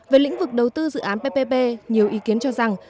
về lĩnh vực đầu tư dự án ppp nhiều ý kiến cho rằng